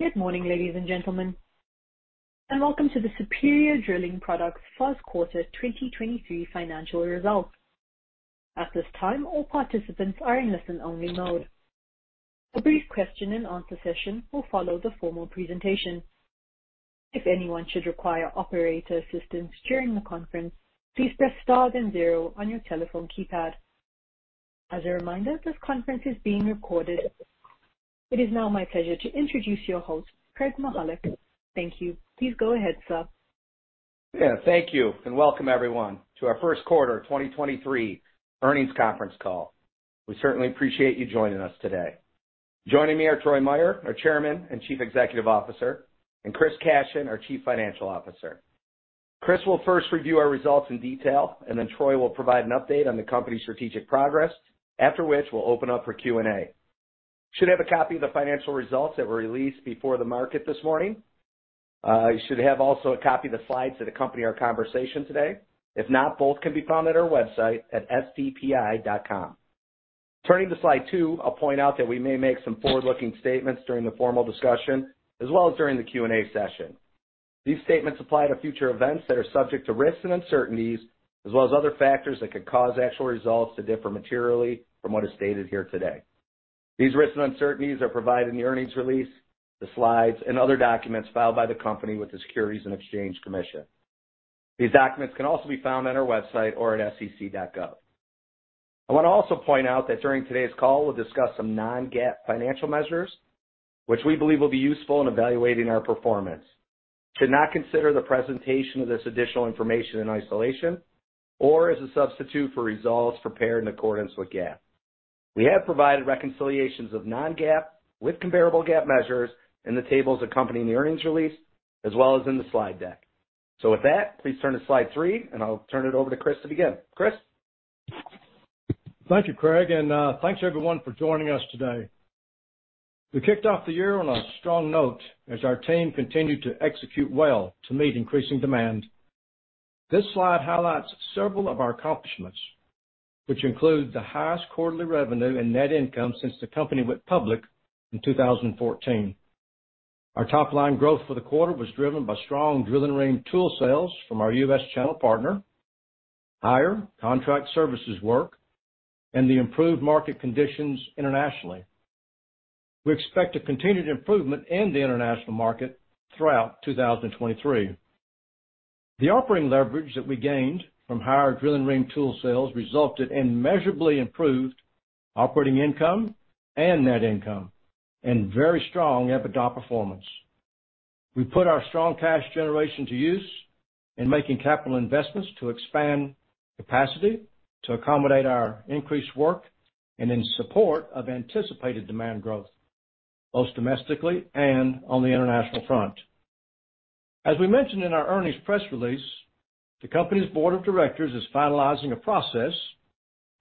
Good morning, ladies and gentlemen, welcome to the Superior Drilling Products Q1 2023 financial results. At this time, all participants are in listen-only mode. A brief question and answer session will follow the formal presentation. If anyone should require operator assistance during the conference, please press star then zero on your telephone keypad. As a reminder, this conference is being recorded. It is now my pleasure to introduce your host, Craig P. Mychajluk. Thank you. Please go ahead, sir. Yeah. Thank you, and welcome everyone to our Q1 2023 Earnings Conference Call. We certainly appreciate you joining us today. Joining me are Troy Meier, our Chairman and Chief Executive Officer, and Christopher Cashion, our Chief Financial Officer. Chris will first review our results in detail, and then Troy will provide an update on the company's strategic progress. After which, we'll open up for Q&A. You should have a copy of the financial results that were released before the market this morning. You should have also a copy of the slides that accompany our conversation today. If not, both can be found at our website at sdpi.com. Turning to slide two, I'll point out that we may make some forward-looking statements during the formal discussion, as well as during the Q&A session. These statements apply to future events that are subject to risks and uncertainties, as well as other factors that could cause actual results to differ materially from what is stated here today. These risks and uncertainties are provided in the earnings release, the slides, and other documents filed by the company with the Securities and Exchange Commission. These documents can also be found on our website or at sec.gov. I wanna also point out that during today's call, we'll discuss some non-GAAP financial measures which we believe will be useful in evaluating our performance. You should not consider the presentation of this additional information in isolation or as a substitute for results prepared in accordance with GAAP. We have provided reconciliations of non-GAAP with comparable GAAP measures in the tables accompanying the earnings release, as well as in the slide deck. With that, please turn to slide three, and I'll turn it over to Chris to begin. Chris. Thank you, Craig, and thanks everyone for joining us today. We kicked off the year on a strong note as our team continued to execute well to meet increasing demand. This slide highlights several of our accomplishments, which include the highest quarterly revenue and net income since the company went public in 2014. Our top line growth for the quarter was driven by strong drilling rig tool sales from our U.S. channel partner, higher contract services work, and the improved market conditions internationally. We expect a continued improvement in the international market throughout 2023. The operating leverage that we gained from higher drilling rig tool sales resulted in measurably improved operating income and net income, and very strong EBITDA performance. We put our strong cash generation to use in making capital investments to expand capacity to accommodate our increased work and in support of anticipated demand growth, both domestically and on the international front. As we mentioned in our earnings press release, the company's board of directors is finalizing a process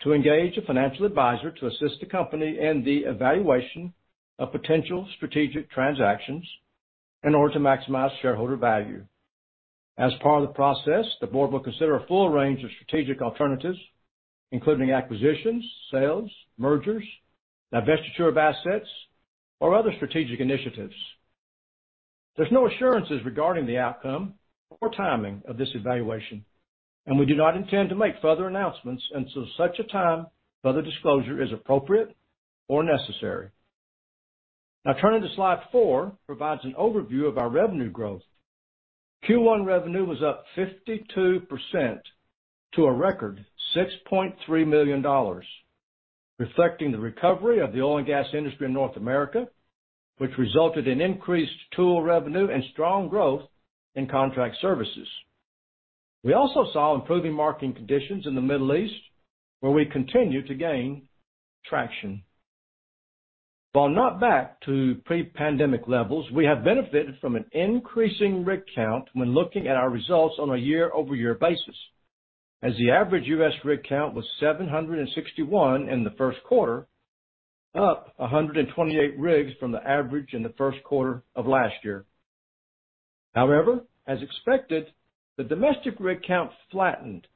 to engage a financial advisor to assist the company in the evaluation of potential strategic transactions in order to maximize shareholder value. As part of the process, the board will consider a full range of strategic alternatives, including acquisitions, sales, mergers, divestiture of assets, or other strategic initiatives. There's no assurances regarding the outcome or timing of this evaluation, and we do not intend to make further announcements until such a time further disclosure is appropriate or necessary. Turning to slide four, provides an overview of our revenue growth. Q1 revenue was up 52% to a record $6.3 million, reflecting the recovery of the oil and gas industry in North America, which resulted in increased tool revenue and strong growth in contract services. We also saw improving marketing conditions in the Middle East, where we continue to gain traction. While not back to pre-pandemic levels, we have benefited from an increasing rig count when looking at our results on a year-over-year basis, as the average U.S. rig count was 761 in the Q1, up 128 rigs from the average in the Q1 of last year. As expected, the domestic rig count flattened,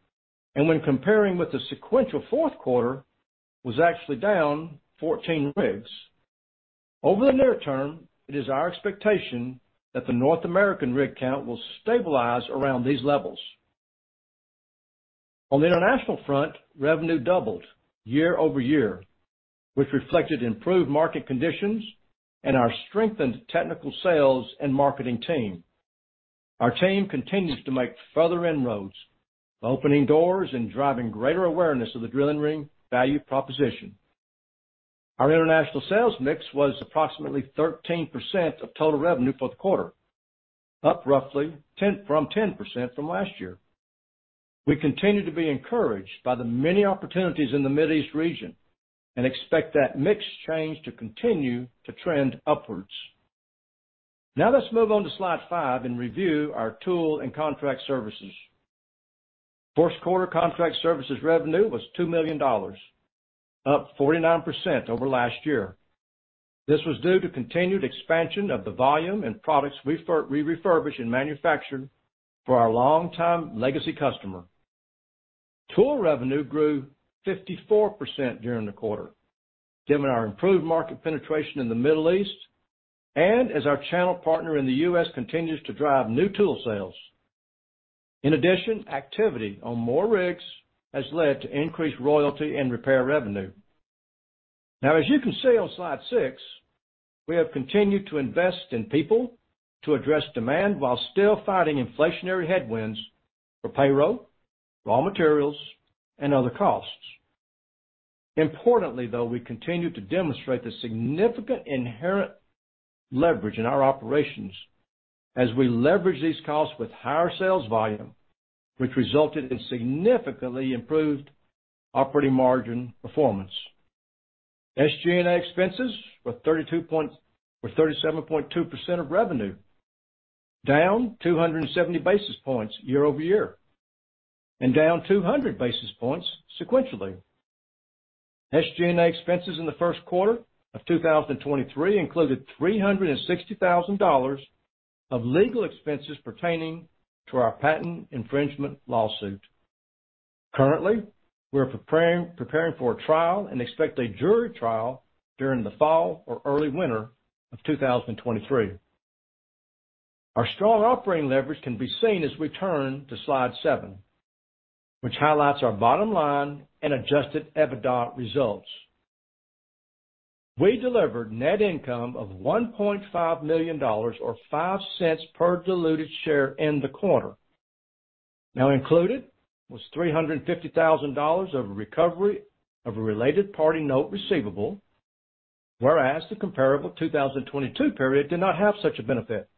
and when comparing with the sequential Q4, was actually down 14 rigs. Over the near term, it is our expectation that the North American rig count will stabilize around these levels. On the international front, revenue doubled year-over-year, which reflected improved market conditions and our strengthened technical sales and marketing team. Our team continues to make further inroads, opening doors and driving greater awareness of the drilling rig value proposition. Our international sales mix was approximately 13% of total revenue for the quarter, up roughly from 10% from last year. We continue to be encouraged by the many opportunities in the Mid East region and expect that mix change to continue to trend upwards. Let's move on to slide five and review our tool and contract services. Q1 contract services revenue was $2 million, up 49% over last year. This was due to continued expansion of the volume and products we refurbish and manufacture for our longtime legacy customer. Tool revenue grew 54% during the quarter, given our improved market penetration in the Middle East and as our channel partner in the U.S. continues to drive new tool sales. In addition, activity on more rigs has led to increased royalty and repair revenue. Now, as you can see on slide six, we have continued to invest in people to address demand while still fighting inflationary headwinds for payroll, raw materials, and other costs. Importantly, though, we continue to demonstrate the significant inherent leverage in our operations as we leverage these costs with higher sales volume, which resulted in significantly improved operating margin performance. SG&A expenses were 32 point... were 37.2% of revenue, down 270 basis points year-over-year, and down 200 basis points sequentially. SG&A expenses in the Q1 of 2023 included $360,000 of legal expenses pertaining to our patent infringement lawsuit. Currently, we are preparing for a trial and expect a jury trial during the fall or early winter of 2023. Our strong operating leverage can be seen as we turn to slide seven, which highlights our bottom line and adjusted EBITDA results. We delivered net income of $1.5 million or $0.05 per diluted share in the quarter. Now included was $350,000 of recovery of a related party note receivable, whereas the comparable 2022 period did not have such a benefit.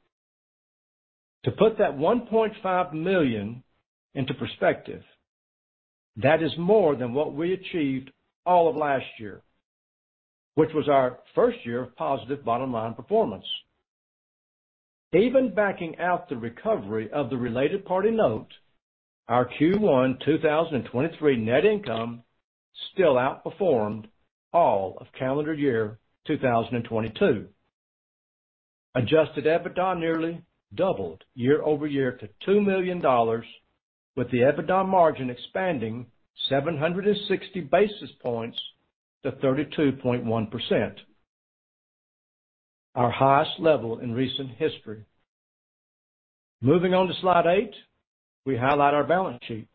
To put that $1.5 million into perspective, that is more than what we achieved all of last year, which was our first year of positive bottom-line performance. Even backing out the recovery of the related party note, our Q1 2023 net income still outperformed all of calendar year 2022. Adjusted EBITDA nearly doubled year-over-year to $2 million, with the EBITDA margin expanding 760 basis points to 32.1%, our highest level in recent history. Moving on to slide eight, we highlight our balance sheet,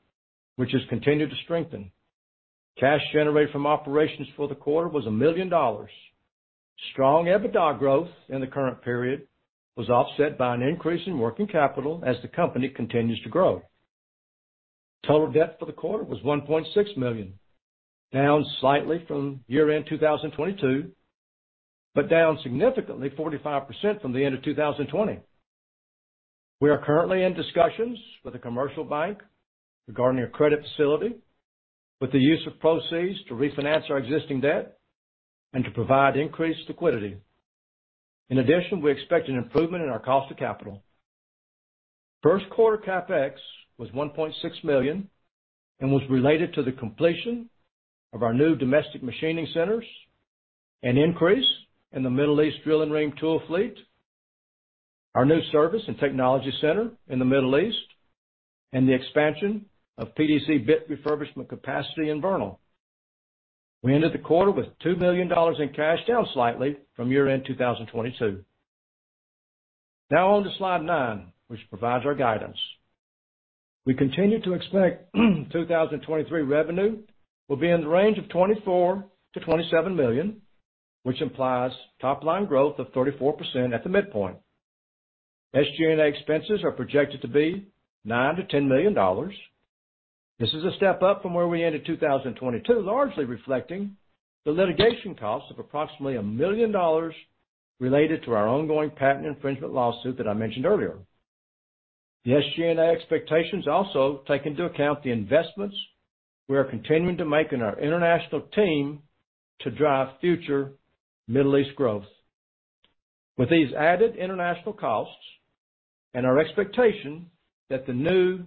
which has continued to strengthen. Cash generated from operations for the quarter was $1 million. Strong EBITDA growth in the current period was offset by an increase in working capital as the company continues to grow. Total debt for the quarter was $1.6 million, down slightly from year-end 2022, down significantly 45% from the end of 2020. We are currently in discussions with a commercial bank regarding a credit facility with the use of proceeds to refinance our existing debt and to provide increased liquidity. In addition, we expect an improvement in our cost of capital. Q1 CapEx was $1.6 million and was related to the completion of our new domestic machining centers, an increase in the Middle East Drill-N-Ream tool fleet, our new service and technology center in the Middle East, and the expansion of PDC bit refurbishment capacity in Vernal. We ended the quarter with $2 million in cash, down slightly from year-end 2022. On to slide nine, which provides our guidance. We continue to expect 2023 revenue will be in the range of $24 million-$27 million, which implies top line growth of 34% at the midpoint. SG&A expenses are projected to be $9 million-$10 million. This is a step up from where we ended 2022, largely reflecting the litigation cost of approximately $1 million related to our ongoing patent infringement lawsuit that I mentioned earlier. The SG&A expectations also take into account the investments we are continuing to make in our international team to drive future Middle East growth. With these added international costs and our expectation that the new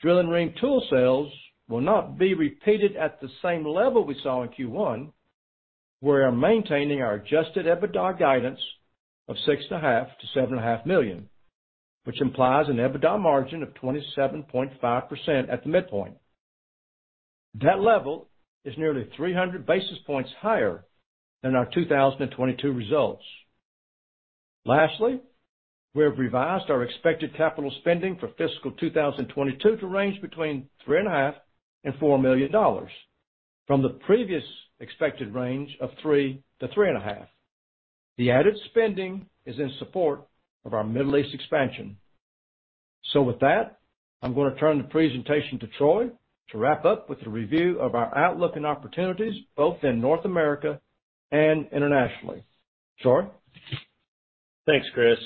Drill-N-Ream tool sales will not be repeated at the same level we saw in Q1, we are maintaining our adjusted EBITDA guidance of six and a half to seven and a half million dollars, which implies an EBITDA margin of 20% at the midpoint. That level is nearly 300 basis points higher than our 2022 results. Lastly, we have revised our expected capital spending for fiscal 2022 to range between three and a half and $4 million from the previous expected range of $3 million to $3.5 million. The added spending is in support of our Middle East expansion. I'm gonna turn the presentation to Troy to wrap up with a review of our outlook and opportunities both in North America and internationally. Troy? Thanks, Chris.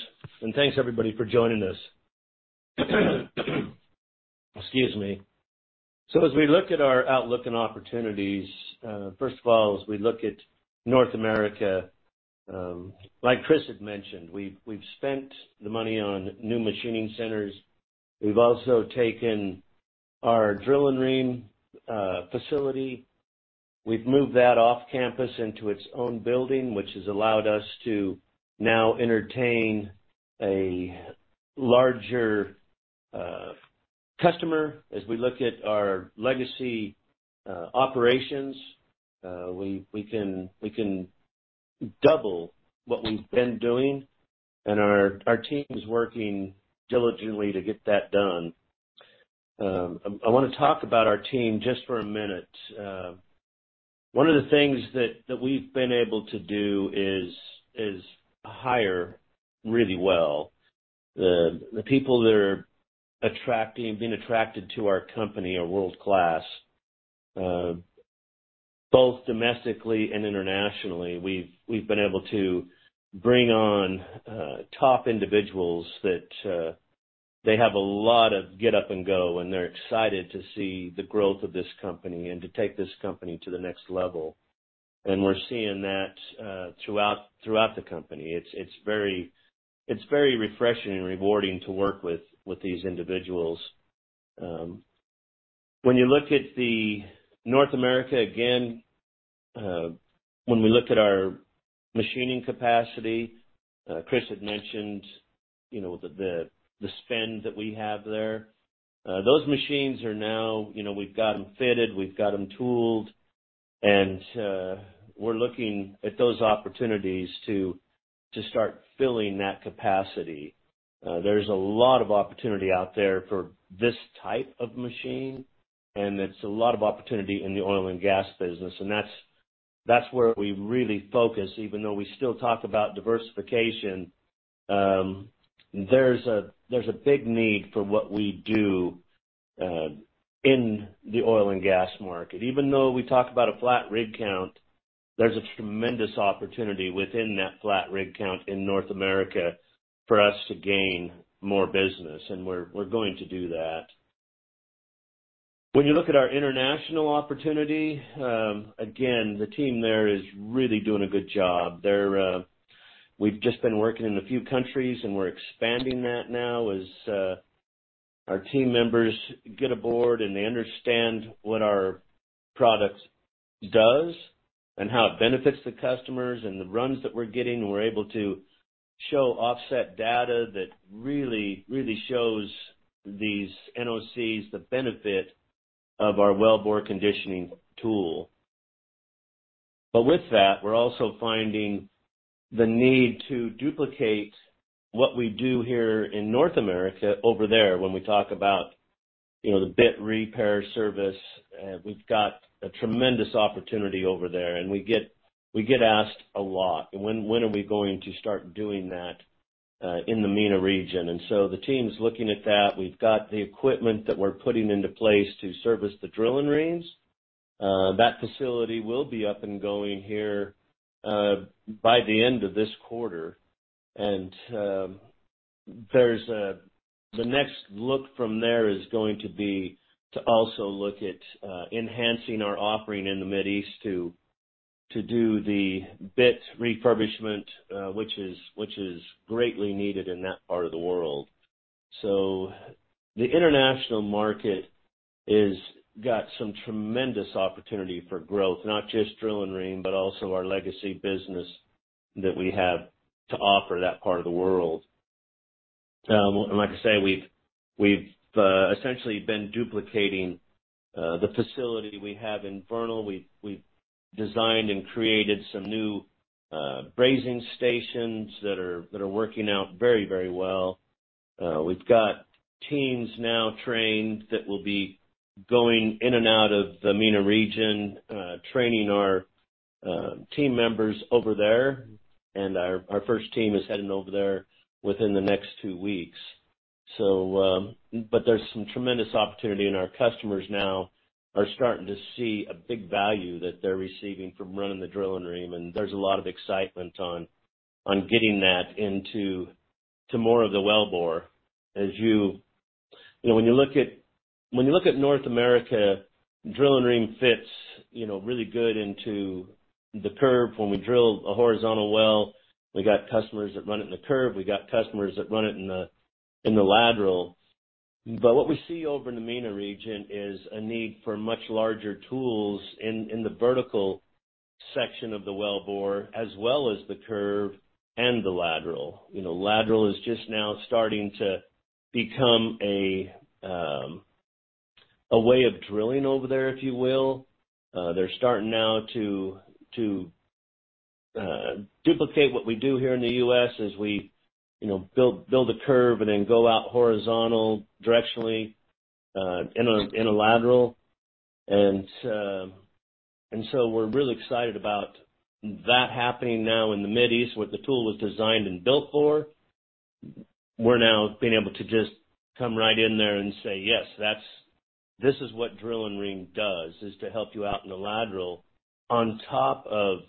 Thanks everybody for joining us. Excuse me. As we look at our outlook and opportunities, first of all, as we look at North America, like Chris had mentioned, we've spent the money on new machining centers. We've also taken our Drill-N-Ream facility. We've moved that off campus into its own building, which has allowed us to now entertain a larger customer. As we look at our legacy operations, we can double what we've been doing, our team is working diligently to get that done. I wanna talk about our team just for a minute. One of the things that we've been able to do is hire really well. The people that are being attracted to our company are world-class, both domestically and internationally. We've been able to bring on top individuals that they have a lot of get up and go, and they're excited to see the growth of this company and to take this company to the next level. We're seeing that throughout the company. It's very refreshing and rewarding to work with these individuals. When you look at the North America, again, when we look at our machining capacity, Chris had mentioned, you know, the spend that we have there. Those machines are now, you know, we've got them fitted, we've got them tooled, and we're looking at those opportunities to start filling that capacity. There's a lot of opportunity out there for this type of machine, and it's a lot of opportunity in the oil and gas business. That's where we really focus, even though we still talk about diversification. There's a big need for what we do in the oil and gas market. Even though we talk about a flat rig count, there's a tremendous opportunity within that flat rig count in North America for us to gain more business, and we're going to do that. When you look at our international opportunity, again, the team there is really doing a good job. They're We've just been working in a few countries, and we're expanding that now as our team members get aboard, and they understand what our product does and how it benefits the customers. The runs that we're getting, we're able to show offset data that really shows these NOCs the benefit of our wellbore conditioning tool. With that, we're also finding the need to duplicate what we do here in North America over there when we talk about, you know, the bit repair service. We've got a tremendous opportunity over there, and we get asked a lot, "When are we going to start doing that in the MENA region?" The team's looking at that. We've got the equipment that we're putting into place to service the drilling rigs. That facility will be up and going here by the end of this quarter. The next look from there is going to be to also look at enhancing our offering in the Mid East to do the bit refurbishment, which is greatly needed in that part of the world. The international market is got some tremendous opportunity for growth. Not just Drill-N-Ream, but also our legacy business that we have to offer that part of the world. Like I say, we've essentially been duplicating the facility we have in Vernal. We've designed and created some new brazing stations that are working out very, very well. We've got teams now trained that will be going in and out of the MENA region, training our team members over there. Our first team is heading over there within the next two weeks. There's some tremendous opportunity, and our customers now are starting to see a big value that they're receiving from running the Drill-N-Ream, and there's a lot of excitement on getting that into more of the wellbore. You know, when you look at North America, Drill-N-Ream fits, you know, really good into the curve. When we drill a horizontal well, we got customers that run it in the curve. We got customers that run it in the lateral. What we see over in the MENA region is a need for much larger tools in the vertical section of the wellbore, as well as the curve and the lateral. You know, lateral is just now starting to become a way of drilling over there, if you will. They're starting now to duplicate what we do here in the US, as we, you know, build a curve and then go out horizontal directionally in a lateral. We're really excited about that happening now in the Mid East, what the tool was designed and built for. We're now being able to just come right in there and say, "Yes, this is what Drill-N-Ream does, is to help you out in the lateral," on top of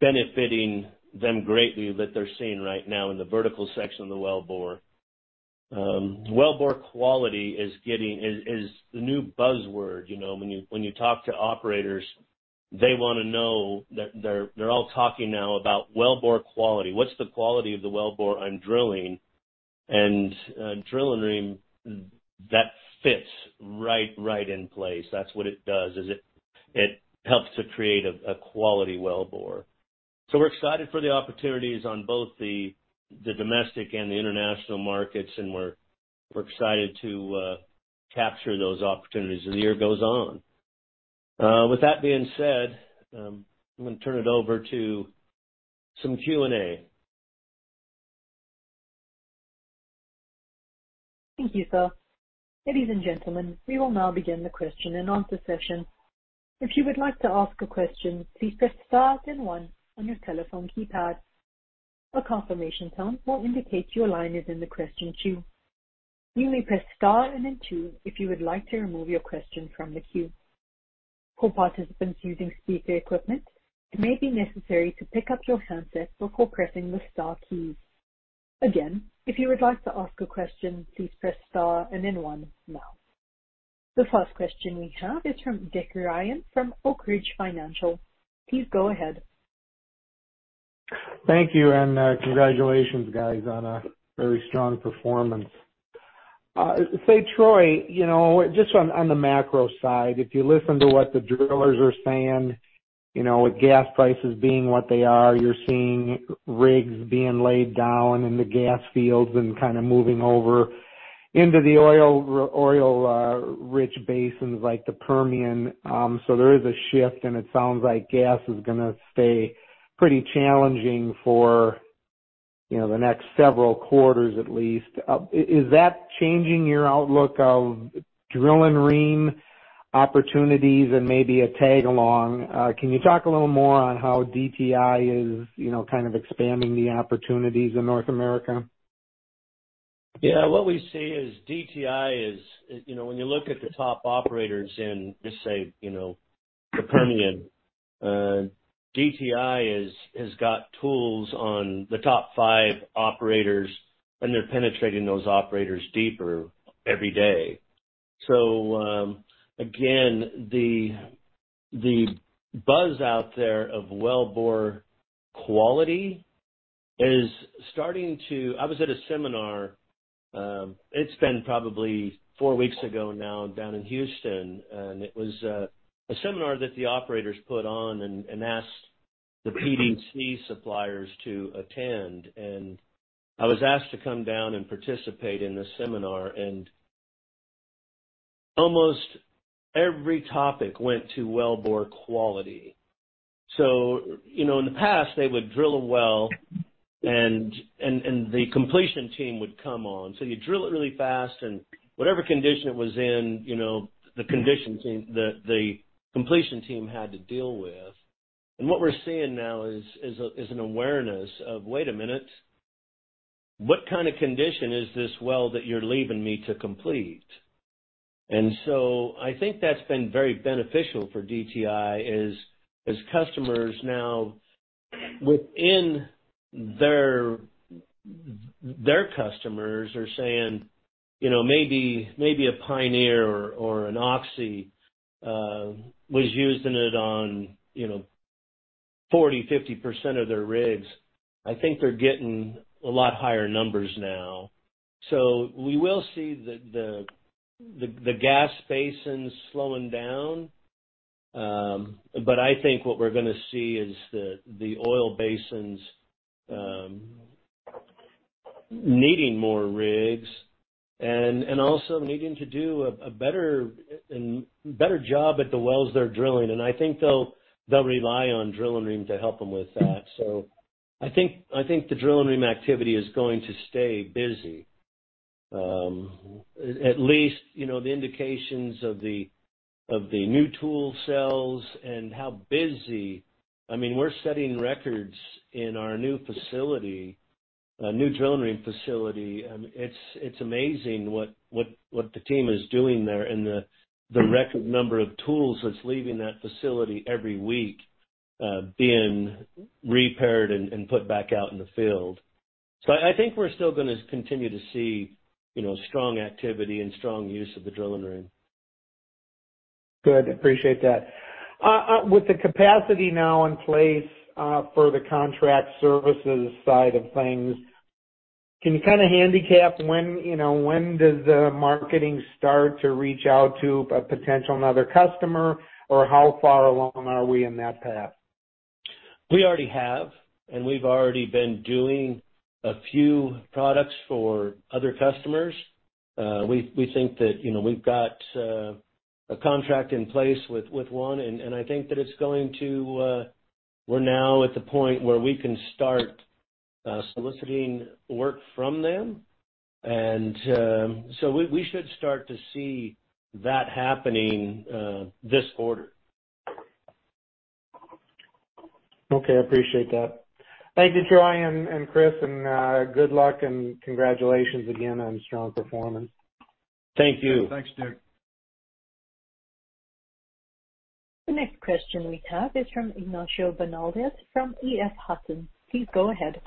benefiting them greatly that they're seeing right now in the vertical section of the wellbore. Wellbore quality is the new buzzword. You know, when you talk to operators. They all talking now about wellbore quality. What's the quality of the wellbore on drilling? Drill-N-Ream, that fits right in place. That's what it does, is it helps to create a quality wellbore. We're excited for the opportunities on both the domestic and the international markets, and we're excited to capture those opportunities as the year goes on. With that being said, I'm gonna turn it over to some Q&A. Thank you, sir. Ladies and gentlemen, we will now begin the question and answer session. If you would like to ask a question, please press star then one on your telephone keypad. A confirmation tone will indicate your line is in the question queue. You may press star and then two if you would like to remove your question from the queue. For participants using speaker equipment, it may be necessary to pick up your handset before pressing the star keys. Again, if you would like to ask a question, please press star and then one now. The first question we have is from Richard Ryan from Oak Ridge Financial. Please go ahead. Thank you and congratulations guys on a very strong performance. Say, Troy, you know, just on the macro side, if you listen to what the drillers are saying, you know, with gas prices being what they are, you're seeing rigs being laid down in the gas fields and kinda moving over into the oil rich basins like the Permian. There is a shift, and it sounds like gas is gonna stay pretty challenging for, you know, the next several quarters at least. Is that changing your outlook of Drill-N-Ream opportunities and maybe a tag-along? Can you talk a little more on how DTI is, you know, kind of expanding the opportunities in North America? Yeah. What we see is DTI is, you know, when you look at the top operators in, just say, you know, the Permian, DTI has got tools on the top five operators, and they're penetrating those operators deeper every day. Again, the buzz out there of wellbore quality is starting to... I was at a seminar, it's been probably four weeks ago now, down in Houston, and it was, a seminar that the operators put on and asked the PDC suppliers to attend. I was asked to come down and participate in the seminar, and almost every topic went to wellbore quality. You know, in the past, they would drill a well and the completion team would come on. You drill it really fast and whatever condition it was in, you know, the completion team had to deal with. What we're seeing now is an awareness of, "Wait a minute. What kind of condition is this well that you're leaving me to complete?" I think that's been very beneficial for DTI is, as customers now within their customers are saying, you know, maybe a Pioneer or an Oxy was using it on, you know, 40%, 50% of their rigs. I think they're getting a lot higher numbers now. We will see the gas basins slowing down. I think what we're gonna see is the oil basins needing more rigs and also needing to do a better job at the wells they're drilling. I think they'll rely on Drill-N-Ream to help them with that. I think the Drill-N-Ream activity is going to stay busy. At least, you know, the indications of the new tool sales and how busy. I mean, we're setting records in our new facility, new Drill-N-Ream facility. It's amazing what the team is doing there and the record number of tools that's leaving that facility every week, being repaired and put back out in the field. I think we're still gonna continue to see, you know, strong activity and strong use of the Drill-N-Ream. Good. Appreciate that. With the capacity now in place for the contract services side of things, can you kind of handicap when, you know, when does the marketing start to reach out to a potential another customer, or how far along are we in that path? We already have, and we've already been doing a few products for other customers. we think that, you know, we've got a contract in place with one and I think that it's going to... we're now at the point where we can start soliciting work from them. So we should start to see that happening this quarter. Okay. I appreciate that. Thank you, Troy and Chris, and good luck and congratulations again on strong performance. Thank you. The next question we have is from Ignacio Bernaldez from EF Hutton. Please go ahead.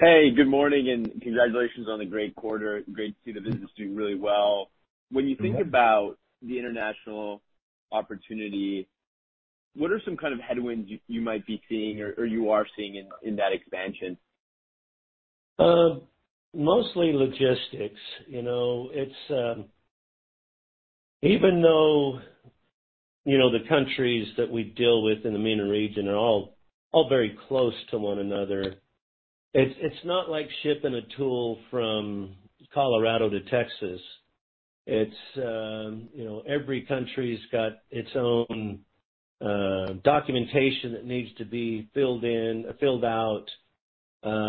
Hey, good morning. Congratulations on the great quarter. Great to see the business doing really well. When you think about the international opportunity, what are some kind of headwinds you might be seeing or you are seeing in that expansion? Mostly logistics. You know, Even though, you know, the countries that we deal with in the MENA region are all very close to one another, it's not like shipping a tool from Colorado to Texas. It's, you know, every country's got its own documentation that needs to be filled in, filled out.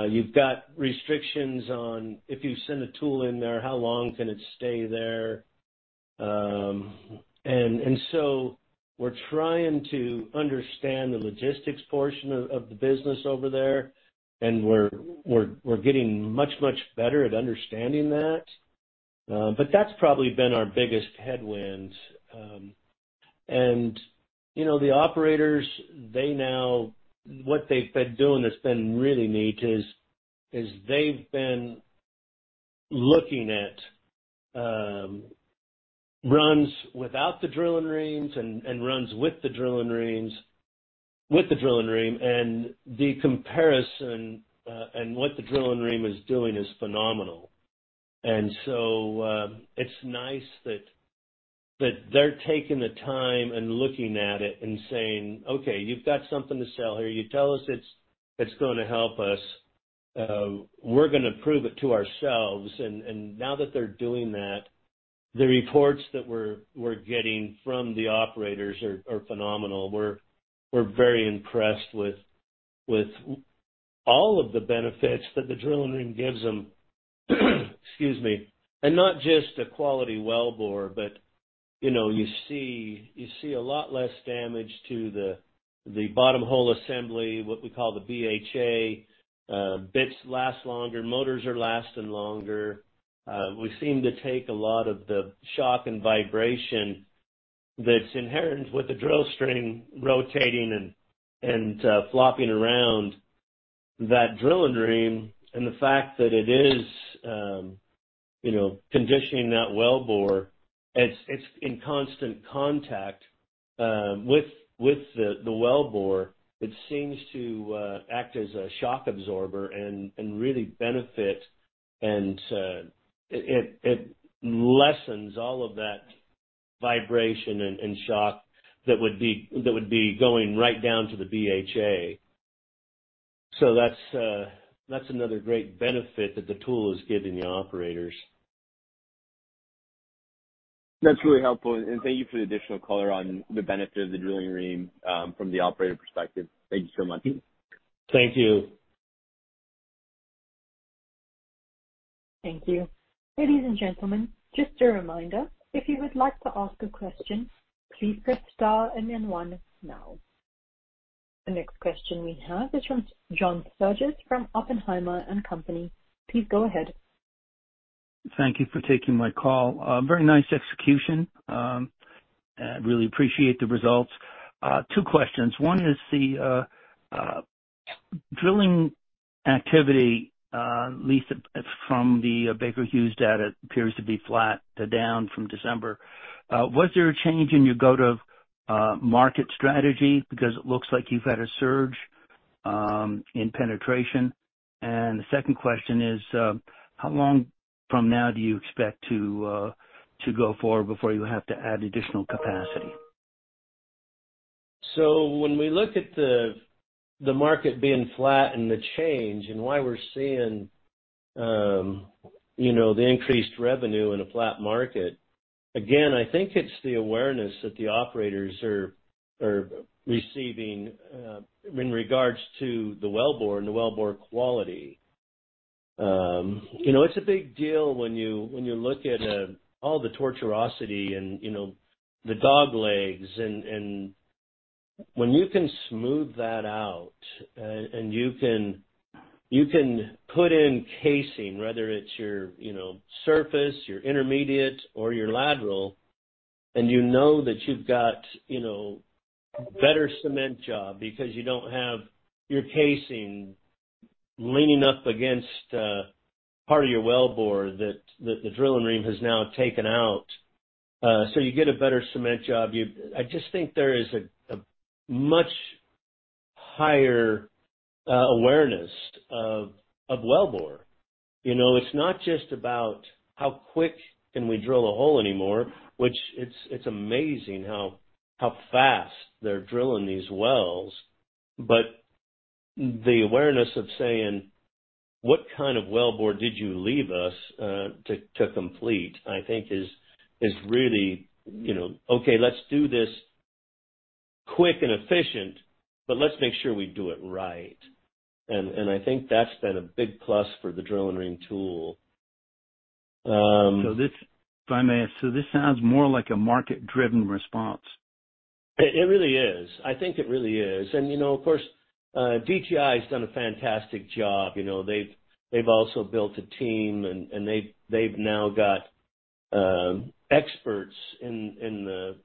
You've got restrictions on, if you send a tool in there, how long can it stay there. We're trying to understand the logistics portion of the business over there. We're getting much better at understanding that. That's probably been our biggest headwind. You know, what they've been doing that's been really neat is they've been looking at runs without the Drill-N-Reams and runs with the Drill-N-Reams, with the Drill-N-Ream, and the comparison, what the Drill-N-Ream is doing is phenomenal. It's nice that they're taking the time and looking at it and saying, "Okay, you've got something to sell here. You tell us it's gonna help us. We're gonna prove it to ourselves." Now that they're doing that, the reports that we're getting from the operators are phenomenal. We're very impressed with all of the benefits that the Drill-N-Ream gives them. Excuse me. Not just a quality wellbore, but, you know, you see a lot less damage to the bottom hole assembly, what we call the BHA. Bits last longer. Motors are lasting longer. We seem to take a lot of the shock and vibration that's inherent with the drill string rotating and flopping around. That Drill-N-Ream and the fact that it is, you know, conditioning that wellbore, it's in constant contact with the wellbore. It seems to act as a shock absorber and really benefit and it lessens all of that vibration and shock that would be going right down to the BHA. That's another great benefit that the tool is giving the operators. That's really helpful. Thank you for the additional color on the benefit of the Drill-N-Ream from the operator perspective. Thank you so much. Thank you. Thank you. Ladies and gentlemen, just a reminder, if you would like to ask a question, please press star and then one now. The next question we have is from John Sturges from Oppenheimer & Co. Inc. Please go ahead. Thank you for taking my call. Very nice execution. I really appreciate the results. Two questions. One is the drilling activity, at least from the Baker Hughes data appears to be flat to down from December. Was there a change in your go-to-market strategy? Because it looks like you've had a surge in penetration. The second question is, how long from now do you expect to go forward before you have to add additional capacity? When we look at the market being flat and the change and why we're seeing, you know, the increased revenue in a flat market, again, I think it's the awareness that the operators are receiving in regards to the wellbore and the wellbore quality. You know, it's a big deal when you, when you look at all the tortuosity and, you know, the dog legs, and when you can smooth that out and you can, you can put in casing, whether it's your, you know, surface, your intermediate or your lateral, and you know that you've got, you know, better cement job because you don't have your casing leaning up against part of your wellbore that the Drill-N-Ream has now taken out, so you get a better cement job. I just think there is a much higher awareness of wellbore. You know, it's not just about how quick can we drill a hole anymore, which it's amazing how fast they're drilling these wells. The awareness of saying, "What kind of wellbore did you leave us to complete?" I think is really, you know, "Okay, let's do this quick and efficient, but let's make sure we do it right." I think that's been a big plus for the Drill-N-Ream tool. This If I may, this sounds more like a market-driven response. It really is. I think it really is. You know, of course, DTI has done a fantastic job. You know, they've also built a team and they've now got experts in the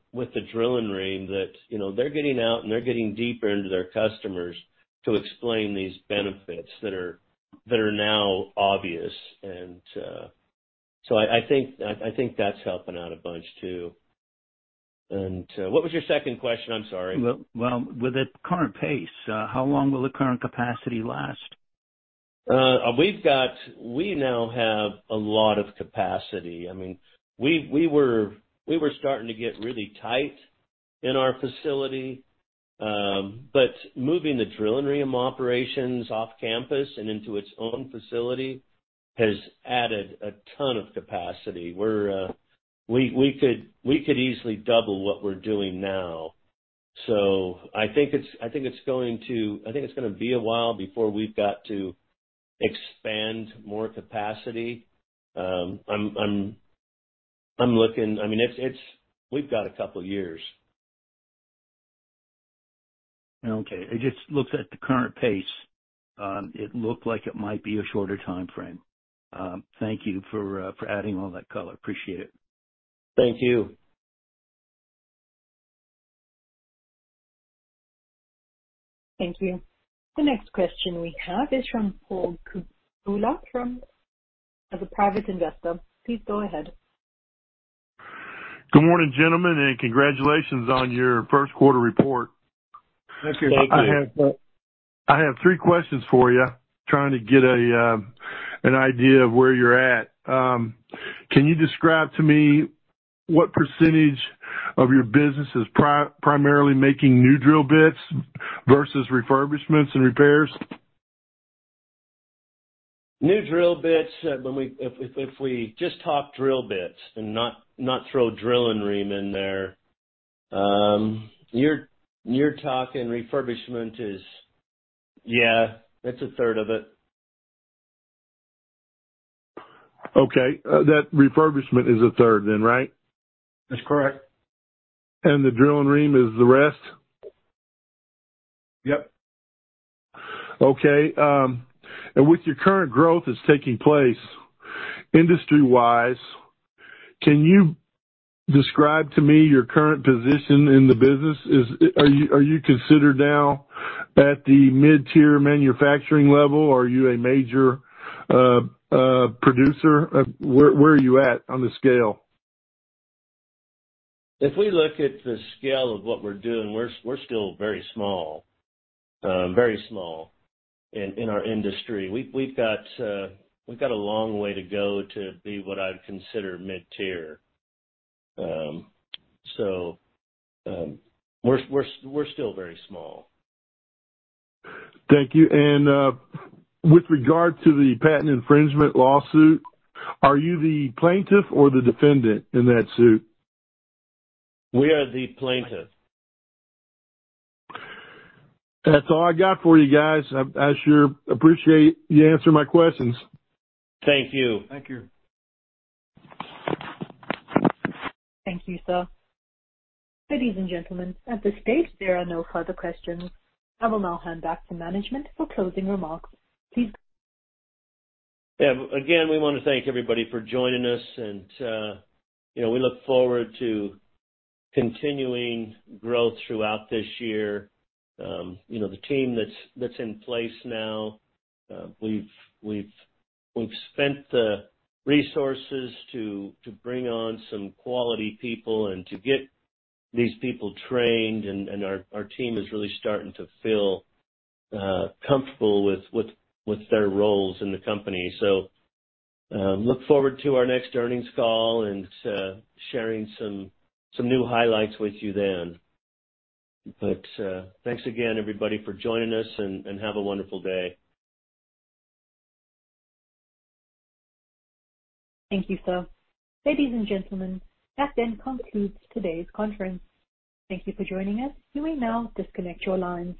Drill-N-Ream that, you know, they're getting out and they're getting deeper into their customers to explain these benefits that are, that are now obvious. I think that's helping out a bunch too. What was your second question? I'm sorry. Well, with the current pace, how long will the current capacity last? We now have a lot of capacity. I mean, we were starting to get really tight in our facility. Moving the Drill-N-Ream operations off campus and into its own facility has added a ton of capacity. We could easily double what we're doing now. I think it's gonna be a while before we've got to expand more capacity. I mean, we've got a couple years. I just looked at the current pace. It looked like it might be a shorter timeframe. Thank you for adding all that color. Appreciate it. Thank you. Thank you. The next question we have is from Paul Kavuma from... As a private investor. Please go ahead. Good morning, gentlemen, and congratulations on your Q1 report. Thank you. Thank you. I have three questions for you. Trying to get an idea of where you're at. Can you describe to me what % of your business is primarily making new drill bits versus refurbishments and repairs? New drill bits, if we just talk drill bits and not throw Drill-N-Ream in there, you're talking refurbishment is, yeah, it's a third of it. Okay. That refurbishment is a third then, right? That's correct. The Drill-N-Ream is the rest? Yep. Okay. With your current growth that's taking place, industry-wise, can you describe to me your current position in the business? Are you considered now at the mid-tier manufacturing level? Are you a major producer? Where are you at on the scale? If we look at the scale of what we're doing, we're still very small in our industry. We've got, we've got a long way to go to be what I'd consider mid-tier. We're still very small. Thank you. With regard to the patent infringement lawsuit, are you the plaintiff or the defendant in that suit? We are the plaintiff. That's all I got for you guys. I sure appreciate you answering my questions. Thank you. Thank you. Thank you, sir. Ladies and gentlemen, at this stage, there are no further questions. I will now hand back to management for closing remarks. Please go ahead. Yeah. Again, we wanna thank everybody for joining us and, you know, we look forward to continuing growth throughout this year. You know, the team that's in place now, we've spent the resources to bring on some quality people and to get these people trained, and our team is really starting to feel comfortable with their roles in the company. Look forward to our next earnings call and sharing some new highlights with you then. Thanks again everybody for joining us and have a wonderful day. Thank you, sir. Ladies and gentlemen, that then concludes today's conference. Thank you for joining us. You may now disconnect your lines.